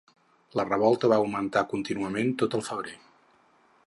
La revolta va augmentar contínuament tot el febrer.